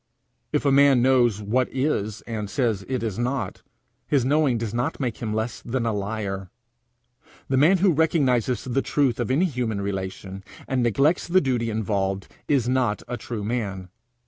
If a man knows what is, and says it is not, his knowing does not make him less than a liar. The man who recognizes the truth of any human relation, and neglects the duty involved, is not a true man.